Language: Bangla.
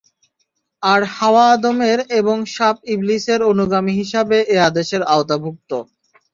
আর হাওয়া আদমের এবং সাপ ইবলীসের অনুগামী হিসাবে এ আদেশের আওতাভুক্ত।